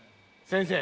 先生！